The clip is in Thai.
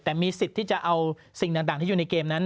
แต่มีสิทธิ์ที่จะเอาสิ่งต่างที่อยู่ในเกมนั้น